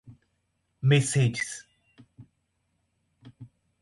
Mercedes